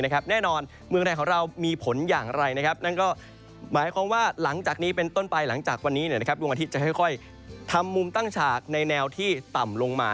แน่นอนเมืองไทยของเรามีผลอย่างไรนั่นก็หมายความว่าหลังจากนี้เป็นต้นไปหลังจากวันนี้ดวงอาทิตย์จะค่อยทำมุมตั้งฉากในแนวที่ต่ำลงมา